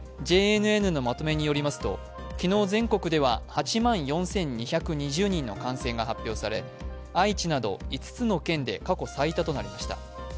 ＪＮＮのまとめによりますと昨日全国では８万４２２０人の感染が発表され愛知など５つの県で過去最多となりました。